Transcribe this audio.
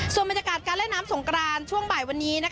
ส่วนบรรยากาศการเล่นน้ำสงกรานช่วงบ่ายวันนี้